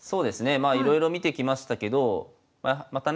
まあいろいろ見てきましたけどまたね